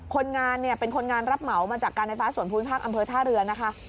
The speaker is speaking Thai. คนงานเนี่ยเป็นคนงานรับเหมามาจากการไฟฟ้าส่วนภูมิภาคอำเภอท่าเรือนะคะ